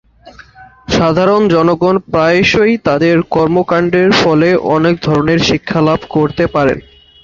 সাধারণ জনগণ প্রায়শঃই তাদের কর্মকাণ্ডের ফলে অনেক ধরনের শিক্ষালাভ করতে পারেন।